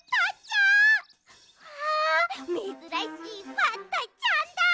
うわめずらしいバッタちゃんだ。